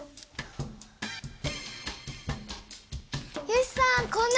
よしさん